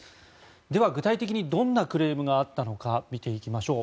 では、具体的にどんなクレームがあったのか見ていきましょう。